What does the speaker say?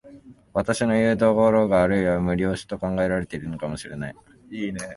私のいう所があるいは無理押しと考えられるかも知れない。